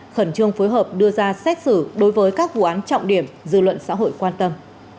khẩn trương phối hợp đưa ra xét xử đối với các vụ án trọng điểm dư luận xã hội quan tâm